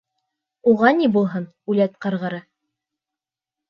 Уға ни булһын, үләт ҡырғыры.